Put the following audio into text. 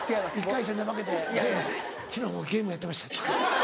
１回戦で負けて「昨日もゲームやってました」。